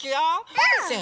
うん！